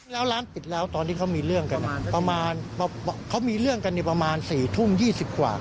แล้วร้านปิดแล้วตอนที่เขามีเรื่องกันประมาณเขามีเรื่องกันเนี่ยประมาณ๔ทุ่ม๒๐กว่า